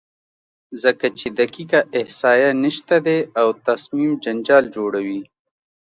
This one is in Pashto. ځکه چې دقیقه احصایه نشته دی او تصمیم جنجال جوړوي،